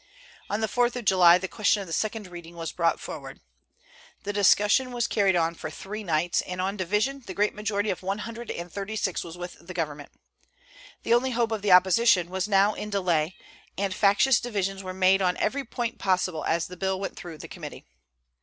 On the 4th of July the question of the second reading was brought forward. The discussion was carried on for three nights, and on division the great majority of one hundred and thirty six was with the government. The only hope of the opposition was now in delay; and factious divisions were made on every point possible as the bill went through the committee.